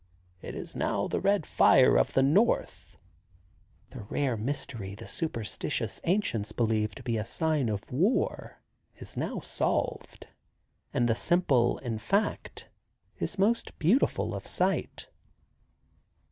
"It is the red fire of the north." The rare mystery the superstitious ancients believed to be a sign of war is now solved, and the simple in fact is most beautiful of sight.